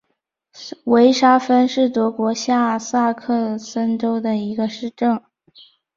维沙芬是德国下萨克森州的一个市镇。